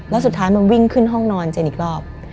แล้วสุดท้ายมันวิ่งขึ้นห้องนอนเจนอีกรอบ